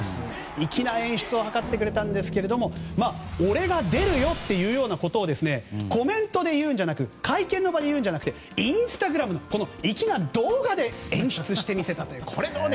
粋な演出を図ってくれたんですが俺が出るということをコメントで言うんじゃなく会見でいうんじゃなくてインスタグラムの動画で演出して見せたと。